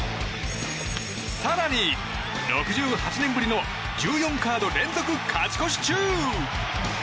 更に、６８年ぶりの１４カード連続勝ち越し中。